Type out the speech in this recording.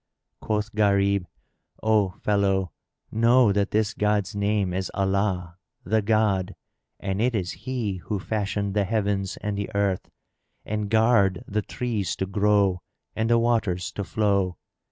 Quoth Gharib, "O fellow, know that this god's name is Allah—the God—and it is He who fashioned the heavens and the earth and garred the trees to grow and the waters to flow.